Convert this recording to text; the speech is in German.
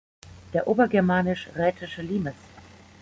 Der Obergermanisch-Rätische Limes".